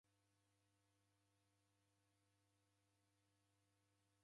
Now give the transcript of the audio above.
Kusenekane vilambo viseko vako